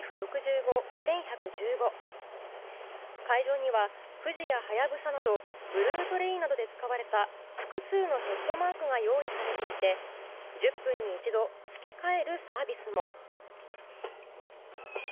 会場には、富士やハヤブサなど「ブルートレイン」などで使われた複数のヘッドマークが用意されていて１０分に一度付け替えるサービスも。